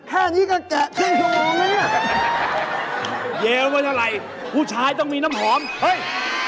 แค่นี้ก็แกะเชื่อมองแล้วเนี่ยเย็นว่าอะไรผู้ชายต้องมีน้ำหอมเฮ้ย